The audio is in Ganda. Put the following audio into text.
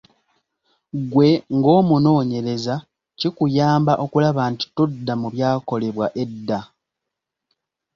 Ggwe ng’omunoonyereza kikuyamba okulaba nti todda mu byakolebwa edda.